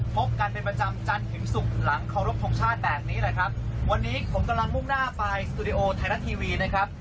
พบกันเป็นประจำจันทร์ถึงศุกร์หลังเคารพทงชาติแบบนี้แหละครับวันนี้ผมกำลังมุ่งหน้าไปสตูดิโอไทยรัฐทีวีนะครับ